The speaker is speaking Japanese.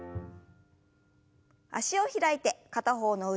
脚を開いて片方の腕を上に。